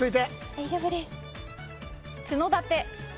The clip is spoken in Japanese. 大丈夫です。